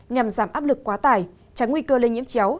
nhằm giảm áp lực quá tải tránh nguy cơ lây nhiễm chéo